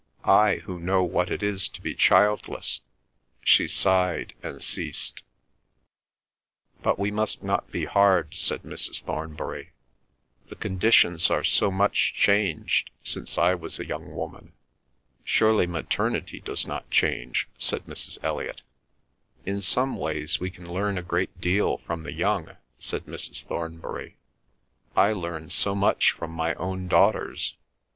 I, who know what it is to be childless—" she sighed and ceased. "But we must not be hard," said Mrs. Thornbury. "The conditions are so much changed since I was a young woman." "Surely maternity does not change," said Mrs. Elliot. "In some ways we can learn a great deal from the young," said Mrs. Thornbury. "I learn so much from my own daughters."